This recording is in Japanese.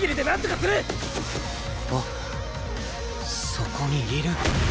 そこにいる！